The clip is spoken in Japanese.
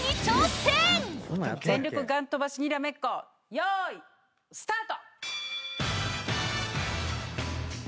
「全力ガン飛ばしにらめっこよーいスタート！」